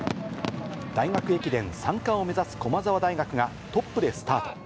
大学駅伝三冠を目指す駒澤大学がトップでスタート。